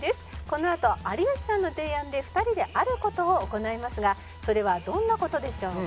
「このあと有吉さんの提案で２人である事を行いますがそれはどんな事でしょうか？」